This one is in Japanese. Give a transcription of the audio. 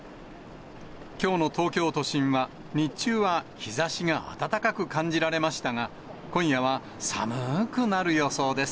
きょうの東京都心は、日中は日ざしが暖かく感じられましたが、今夜は寒ーくなる予想です。